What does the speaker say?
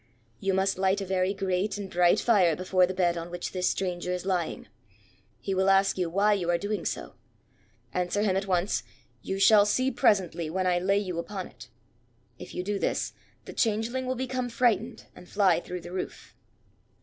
"You must light a very great and bright fire before the bed on which this stranger is lying. He will ask you why you are doing so. Answer him at once: 'You shall see presently when I lay you upon it.' If you do this, the Changeling will become frightened and fly through the roof."